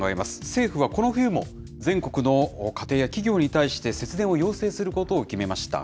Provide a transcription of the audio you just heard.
政府はこの冬も、全国の家庭や企業に対して、節電を要請することを決めました。